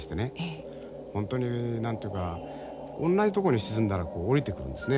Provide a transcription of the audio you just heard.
本当に何て言うかおんなじとこに沈んだら下りてくるんですね。